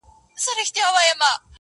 ماتم دی په دې ښار کي جنازې دي چي راځي!.